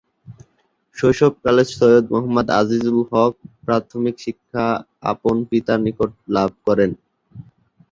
শৈশবকালে সৈয়দ মুহাম্মদ আজিজুল হক প্রাথমিক শিক্ষা আপন পিতার নিকট লাভ করেন।